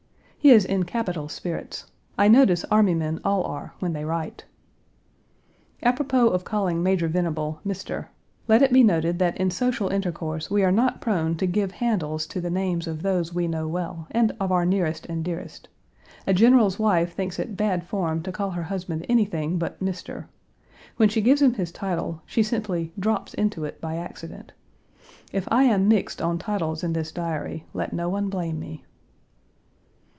He is in capital spirits. I notice army men all are when they write. Apropos of calling Major Venable "Mr." Let it be noted that in social intercourse we are not prone to give handles to the names of those we know well and of our nearest and dearest. A general's wife thinks it bad form to call her husband anything but "Mr." When she gives him his title, she simply "drops" into it by accident. If I am "mixed" on titles in this diary, let no one blame me.